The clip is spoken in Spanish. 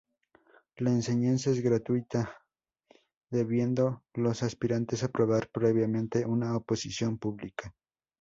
La enseñanza es gratuita, debiendo los aspirantes aprobar previamente una oposición pública.